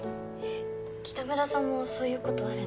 北村さんもそういう事あるんだ。